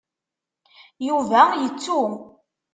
Yuba yettu.